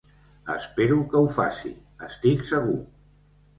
Espero que ho faci, estic segur.